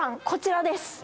こちらです